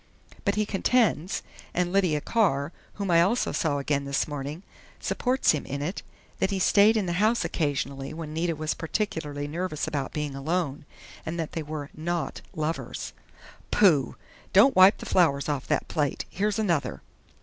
But he contends, and Lydia Carr, whom I also saw again this morning, supports him in it, that he stayed in the house occasionally when Nita was particularly nervous about being alone, and that they were not lovers." "Pooh!... Don't wipe the flowers off that plate. Here's another."